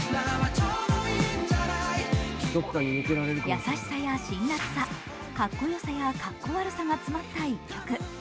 優しさや辛らつさかっこよさやかっこ悪さが詰まった一曲。